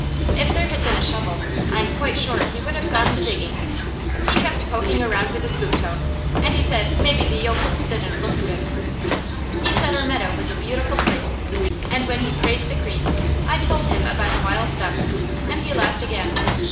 If there had been a shovel, I am quite sure he would have gone to digging. He kept poking around with his boot toe, and he said maybe the yokels didn't look good. He said our meadow was a beautiful place, and when he praised the creek I told him about the wild ducks, and he laughed again.